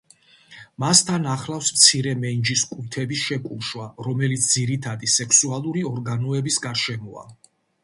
მას თან ახლავს მცირე მენჯის კუნთების შეკუმშვა, რომელიც ძირითადი სექსუალური ორგანოების გარშემოა.